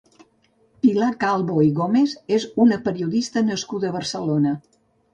Pilar Calvo i Gómez és una periodista nascuda a Barcelona.